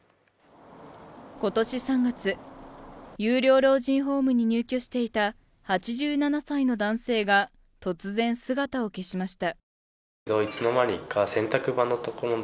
今年３月有料老人ホームに入居していた８７歳の男性が突然姿を消しました。